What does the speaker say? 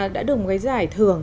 đã được một cái giải thưởng